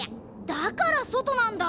だからそとなんだ。